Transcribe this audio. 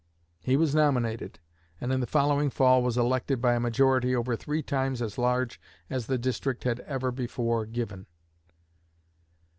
He was nominated, and in the following fall was elected by a majority over three times as large as the district had ever before given.